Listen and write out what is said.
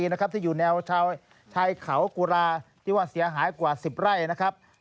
แหล่งที่อยู่แนวชายเขากุรานี่ว่าเสียหายกว่าสิบไร่ชาวบ้าน